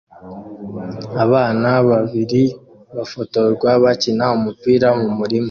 Abana babiri bafotorwa bakina umupira mumurima